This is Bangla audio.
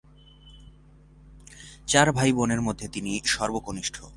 চার ভাই-বোনের মধ্যে তিনি সর্বকনিষ্ঠ।